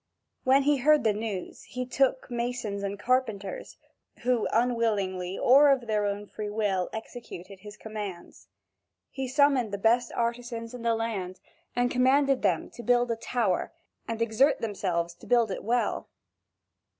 When he heard this news, he took masons and carpenters who unwillingly or of their own free will executed his commands. He summoned the best artisans in the land, and commanded them to build a tower, and exert themselves to build it well.